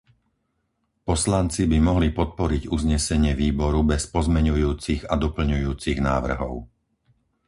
Poslanci by mohli podporiť uznesenie výboru bez pozmeňujúcich a doplňujúcich návrhov.